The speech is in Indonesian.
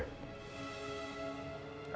aku akan menemui dia